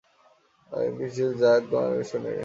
এমন কিছু শুনতে, যা তোমার কান কখনো শুনেনি।